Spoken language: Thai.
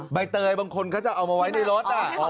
ใบเตยบางคนเขาจะเอามาไว้ในรถ